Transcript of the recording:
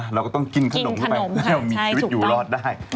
เราก็ต้องกินขนมให้ชีวิตอยู่รอดได้